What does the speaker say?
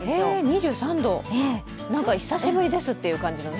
２３度、久しぶりですという感じですね。